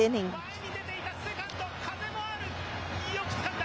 前に出ていたセカンド、風もある、よくつかんだ！